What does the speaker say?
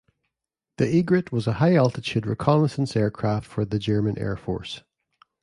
The Egrett was a high altitude reconnaissance aircraft for the German Air Force.